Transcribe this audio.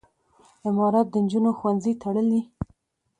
امارت د نجونو ښوونځي تړلي.